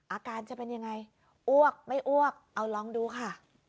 อาการจะเป็นยังไงอ้วกไม่อ้วกเอาลองดูค่ะ